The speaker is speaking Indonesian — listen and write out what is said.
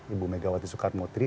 ibu megawati soekarno mutri